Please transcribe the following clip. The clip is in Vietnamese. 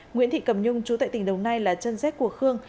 nguyễn thị cầm nhung chú tại tỉnh đồng nai là chân rét của khương